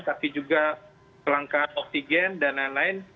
tapi juga kelangkaan oksigen dan lain lain